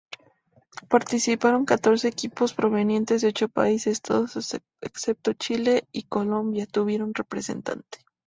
Participaron catorce equipos provenientes de ocho países, todos excepto Chile y Colombia tuvieron representante.